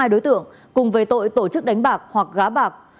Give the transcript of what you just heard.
đối với hai đối tượng cùng về tội tổ chức đánh bạc hoặc gá bạc